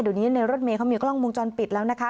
เดี๋ยวนี้ในรถเมย์เขามีกล้องวงจรปิดแล้วนะคะ